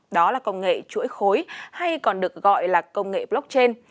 đó là công nghệ chuỗi khối hay còn được gọi là công nghệ blockchain